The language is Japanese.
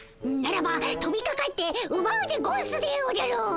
ならばとびかかってうばうでゴンスでおじゃる。